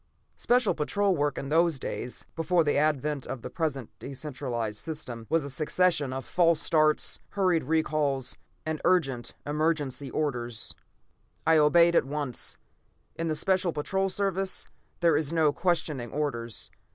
Special Patrol work in those days, before the advent of the present de centralized system, was a succession of false starts, hurried recalls, and urgent, emergency orders. I obeyed at once. In the Special Patrol service, there is no questioning orders.